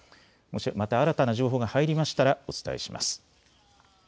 また新たな情報が入りましたらお伝えします。